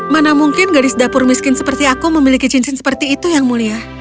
mana mungkin garis dapur miskin seperti aku memiliki cincin seperti itu yang mulia